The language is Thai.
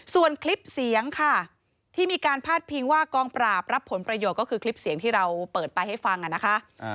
ส่วนคลิปเสียงค่ะที่มีการพาดพิงว่ากองปราบรับผลประโยชน์ก็คือคลิปเสียงที่เราเปิดไปให้ฟังนะคะ